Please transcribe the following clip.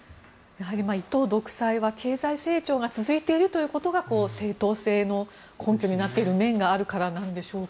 一党独裁は、経済成長が続いているということが正当性の根拠になっている面があるからなんでしょうか。